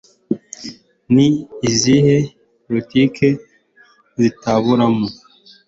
n'iza politike zitaburamo